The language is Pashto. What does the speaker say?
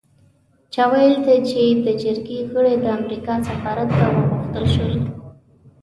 چا ویل چې د جرګې غړي د امریکا سفارت ته وغوښتل شول.